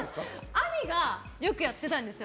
兄がよくやってたんですよ。